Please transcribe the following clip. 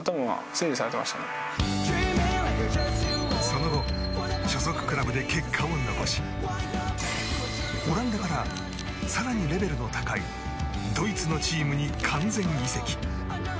その後所属クラブで結果を残しオランダから更にレベルの高いドイツのチームに完全移籍。